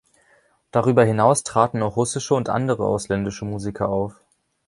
Darüber hinaus traten auch russische und andere ausländische Musiker auf.